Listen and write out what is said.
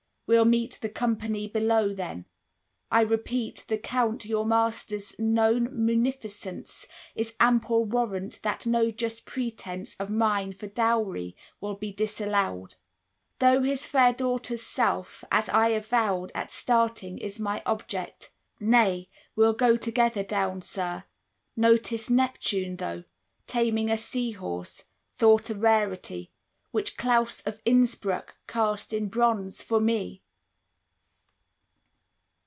We'll meet The company below, then. I repeat, The Count your master's known munificence Is ample warrant that no just pretence 50 Of mine for dowry will be disallowed; Though his fair daughter's self, as I avowed At starting, is my object. Nay, we'll go Together down, sir. Notice Neptune, though, Taming a sea horse, thought a rarity, Which Claus of Innsbruck cast in bronze for me!